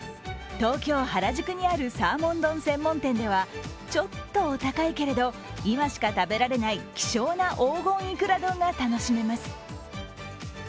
東京・原宿にあるサーモン丼専門店ではちょっとお高いけれど、今しか食べられない希少な黄金いくら丼が楽しめます。